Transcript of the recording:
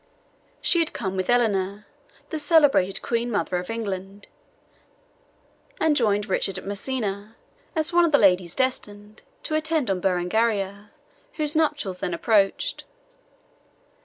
She had come with Eleanor, the celebrated Queen Mother of England, and joined Richard at Messina, as one of the ladies destined to attend on Berengaria, whose nuptials then approached.